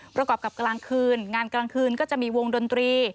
ประกอบกับกลางคืนงานกลางคืนก็จะมีวงดนตรี